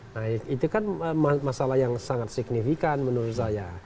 nah itu kan masalah yang sangat signifikan menurut saya